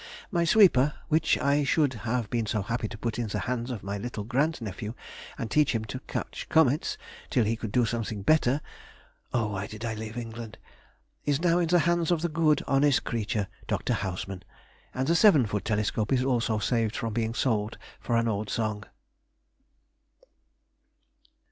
... My sweeper, which I should have been so happy to put in the hands of my little grand nephew, and teach him to catch comets till he could do something better (O! why did I leave England!) is now in the hands of the good, honest creature, Director Hausmann, and the seven foot telescope is also saved from being sold for an old song....